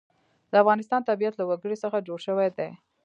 د افغانستان طبیعت له وګړي څخه جوړ شوی دی.